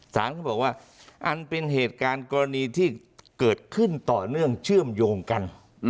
สารเขาบอกว่าอันเป็นเหตุการณ์กรณีที่เกิดขึ้นต่อเนื่องเชื่อมโยงกัน